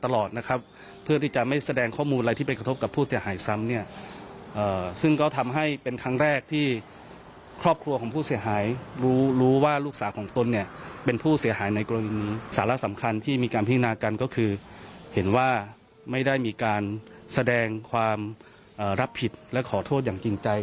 แล้วสำคัญที่มีการพิธีนาการก็คือเห็นว่าไม่ได้มีการแสดงความรับผิดและขอโทษอย่างจริงใจ